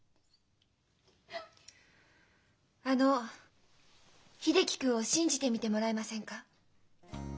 あの秀樹君を信じてみてもらえませんか？